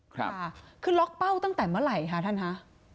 ค่ะคือล็อกเป้าตั้งแต่เมื่อไหร่คะท่านคะ